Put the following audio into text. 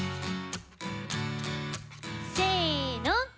せの。